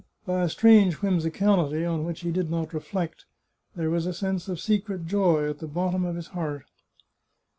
By a strange whimsicality, on which he did not reflect, there was a sense of secret joy at the bottom of his heart.